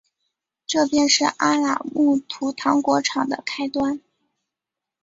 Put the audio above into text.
这便是阿拉木图糖果厂的开端。